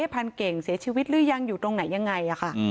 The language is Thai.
พันเก่งเสียชีวิตหรือยังอยู่ตรงไหนยังไง